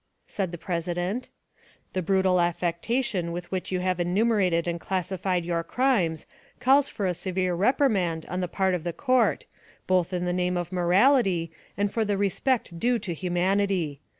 said the president. "The brutal affectation with which you have enumerated and classified your crimes calls for a severe reprimand on the part of the court, both in the name of morality, and for the respect due to humanity.